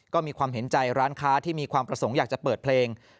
ก็มีความเห็นใจร้านค้าที่มีความประสงค์อยากจะเปิดเพลง